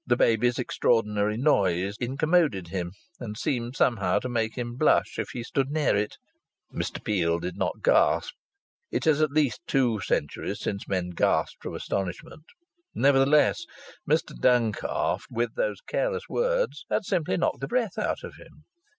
The baby's extraordinary noise incommoded him and seemed somehow to make him blush if he stood near it. Mr Peel did not gasp. It is at least two centuries since men gasped from astonishment. Nevertheless, Mr Duncalf with those careless words had simply knocked the breath out of him.